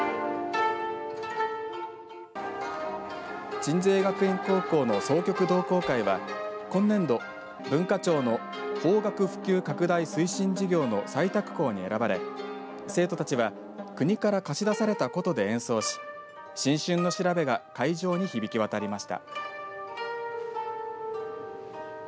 鎮西学院高校の箏曲同好会は今年度、文化庁の邦楽普及拡大推進事業の採択校に選ばれ生徒たちは国から貸し出された琴で演奏し新春の調べが会場に響き渡りました。